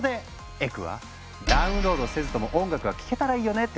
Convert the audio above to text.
エクは「ダウンロードせずとも音楽が聴けたらいいよね」って考えた。